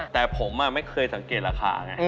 แต่ผมไม่เคยสังเกตราคาไง